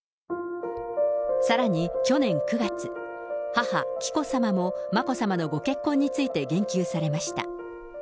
さらに去年９月、母、紀子さまも眞子さまのご結婚について言及されました。